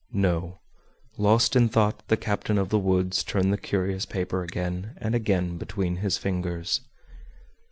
No. Lost in thought, the captain of the woods turned the curious paper again and again between his fingers.